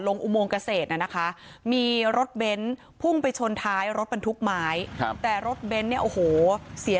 ลงอุโมงเกษตรนะคะมีรถเบนส์